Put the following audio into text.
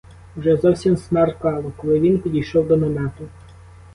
Уже зовсім смеркало, коли він підійшов до намету.